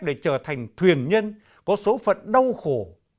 để trở thành thuyền nhân có số phận đau khổ